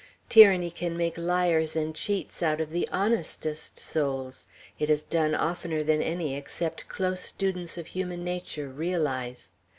Tyranny can make liars and cheats out of the honestest souls. It is done oftener than any except close students of human nature realize.